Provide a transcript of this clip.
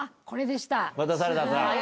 これでした。